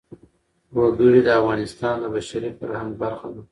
وګړي د افغانستان د بشري فرهنګ برخه ده.